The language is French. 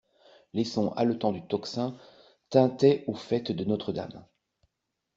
Les sons haletants du tocsin tintaient au faîte de Notre-Dame.